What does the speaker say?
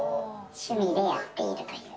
趣味でやっているというか。